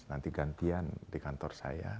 nanti gantian di kantor saya